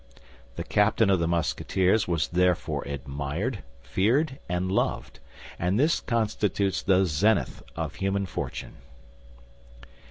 The captain of the Musketeers was therefore admired, feared, and loved; and this constitutes the zenith of human fortune.